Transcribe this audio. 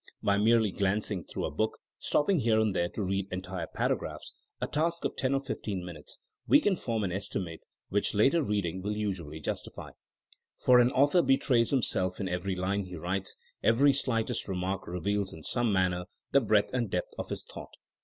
By merely glancing through a book, stopping here and there to read entire paragraphs — a task of ten or fifteen min utes — ^we can form an estimate which later read ing will usually justify. For an author betrays himself in every line he writes ; every slightest remark reveals in some manner the breadth and depth of his thought.